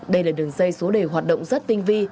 đây là đường dây số đề hoạt động rất tinh vi